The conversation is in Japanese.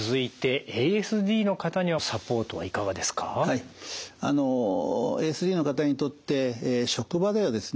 はいあのＡＳＤの方にとって職場ではですね